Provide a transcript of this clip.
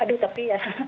aduh tapi ya